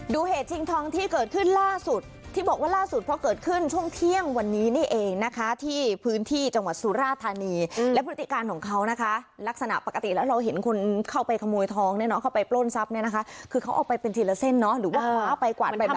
เหตุชิงทองที่เกิดขึ้นล่าสุดที่บอกว่าล่าสุดเพราะเกิดขึ้นช่วงเที่ยงวันนี้นี่เองนะคะที่พื้นที่จังหวัดสุราธานีและพฤติการของเขานะคะลักษณะปกติแล้วเราเห็นคนเข้าไปขโมยทองเนี่ยเนาะเข้าไปปล้นทรัพย์เนี่ยนะคะคือเขาเอาไปเป็นทีละเส้นเนาะหรือว่าคว้าไปกวาดไปมา